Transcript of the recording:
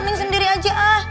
neng sendiri aja ah